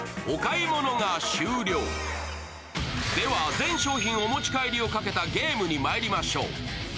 全商品お持ち帰りをかけたゲームにまいりましょう。